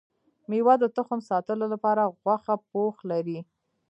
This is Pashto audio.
ميوه د تخم ساتلو لپاره غوښه پوښ لري